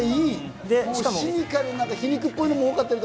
シニカルな皮肉っぽいもの